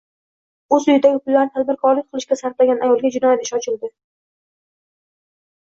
O‘z uyidagi pullarni tadbirkorlik qilishga sarflagan ayolga jinoyat ishi ochildi